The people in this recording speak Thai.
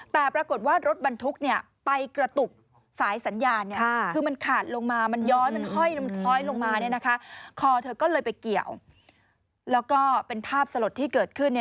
แต่รถบรรทุกไปกระตุก